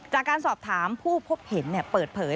จากการสอบถามผู้พบเห็นเปิดเผย